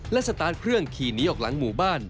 และสตาร์ทเครื่องขี่หนีออกหลังหมู่บ้าน